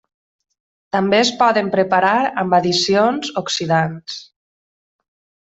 També es poden preparar amb addicions oxidants.